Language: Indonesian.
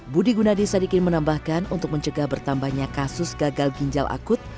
budi gunadisadikin menambahkan untuk mencegah bertambahnya kasus gagal ginjal akut